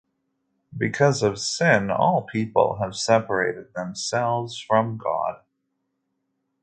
Because of sin all people have separated themselves from God.